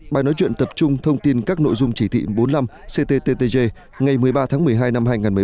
bài nói chuyện tập trung thông tin các nội dung chỉ thị bốn mươi năm cttg ngày một mươi ba tháng một mươi hai năm hai nghìn một mươi chín